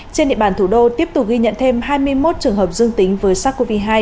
trên địa bàn thủ đô tiếp tục ghi nhận thêm hai mươi một trường hợp dương tính với sars cov hai